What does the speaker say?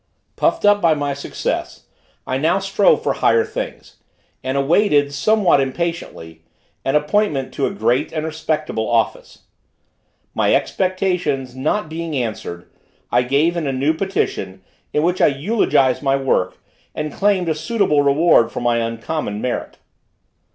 Puffed up by my success, I now strove for higher things, and awaited, somewhat impatiently, an appointment to a great and respectable office. My expectations not being answered, I gave in a new petition, in which I eulogized my work and claimed a suitable reward for my uncommon merit.